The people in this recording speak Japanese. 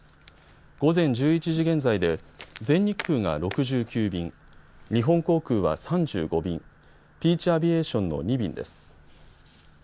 午前１１時現在で全日空が６９便、日本航空は３５便、ピーチ・アビエーションの２便です。